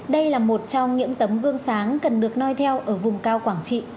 đây là một trong những tấm gương sáng cần được noi theo ở vùng cao quảng trị